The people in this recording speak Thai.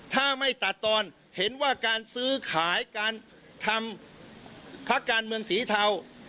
ถ้าไม่ตัดตอนเห็นว่าการซื้อขายการทำพักการเมืองสีเทา